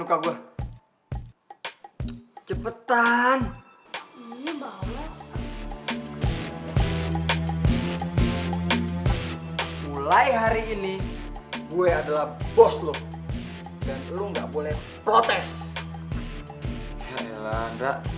luka gue cepetan mulai hari ini gue adalah bos lu dan lo nggak boleh protes ya yolanda